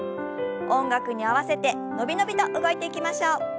音楽に合わせて伸び伸びと動いていきましょう。